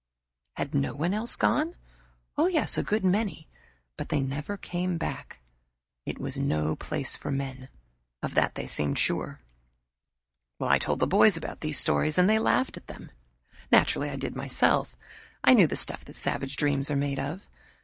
Had no one else gone? Yes a good many but they never came back. It was no place for men of that they seemed sure. I told the boys about these stories, and they laughed at them. Naturally I did myself. I knew the stuff that savage dreams are made of.